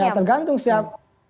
ya tergantung siapa